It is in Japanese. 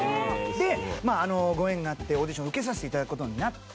でまああのご縁があってオーディション受けさせて頂く事になって。